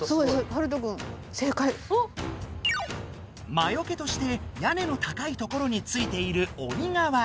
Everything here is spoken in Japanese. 魔よけとして屋根の高いところについている鬼瓦。